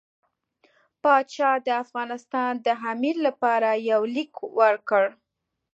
پاشا د افغانستان د امیر لپاره یو لیک ورکړ.